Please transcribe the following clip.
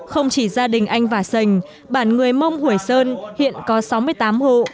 không chỉ gia đình anh vả sành bản người mông hủy sơn hiện có sáu mươi tám hộ